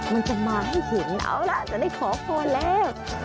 มันจะมาให้เห็นเอาล่ะจะได้ขอพรแล้ว